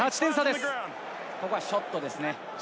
ここはショットですね。